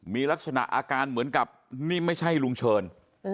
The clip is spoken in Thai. มีลักษณะอาการเหมือนกับนี่ไม่ใช่ลุงเชิญ